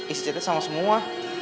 istrinya sama semua